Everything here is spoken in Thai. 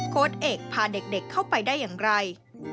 เอกพาเด็กเข้าไปได้อย่างไร